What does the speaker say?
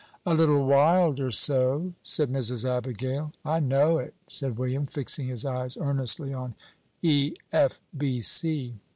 "A little wild or so," said Mrs. Abigail. "I know it," said William, fixing his eyes earnestly on E, F, B, C.